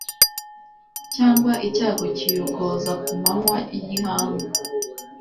cyangwa icyago kiyogoza ku manywa y’ihangu